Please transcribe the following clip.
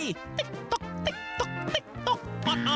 ติ๊กต๊อกติ๊กต๊อกติ๊กต๊อก